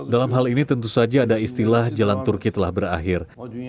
dalam hal ini tentu saja ada istilah jalan turki telah berakhir